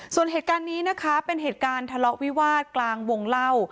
ส่วนเหตุการณ์นี้นะคะเป็นเหตุการณ์ทะเลาะวิวาสกลางวงเล่า